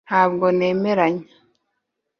ntabwo nemeranya